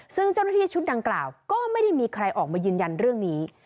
ซึ่งเจ้าหน้าที่ชุดดังกล่าวก็ไม่ได้มีใครออกมายืนยันเรื่องนี้